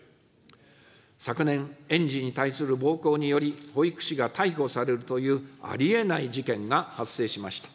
昨年、園児に対する暴行により保育士が逮捕されるというありえない事件が発生しました。